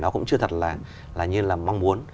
nó cũng chưa thật là như là mong muốn